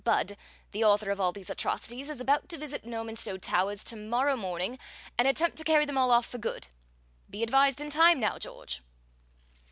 Budd, the author of all these atrocities, is about to visit Normanstow Towers to morrow morning, and attempt to carry them all off for good. Be advised in time now, George."